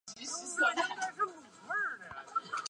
氟化铷是铷的氟化物。